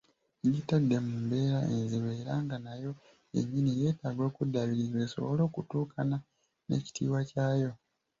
Kkigitadde mu mbeera enzibu era nga nayo yennyini yeetaaga okuddaabirizibwa esobole okutuukana n'ekitiibwa ky'ayo.